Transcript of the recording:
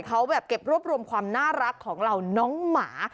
เขาแบบเก็บรวบรวมความน่ารักของเหล่าน้องหมา